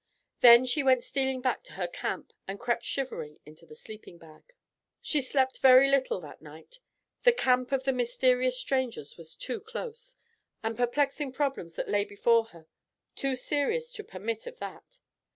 Then she went stealing back to her camp and crept shivering into the sleeping bag. She slept very little that night. The camp of the mysterious strangers was too close; the perplexing problems that lay before her too serious to permit of that.